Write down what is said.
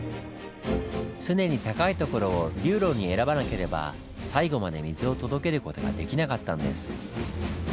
常に高い所を流路に選ばなければ最後まで水を届ける事ができなかったんです。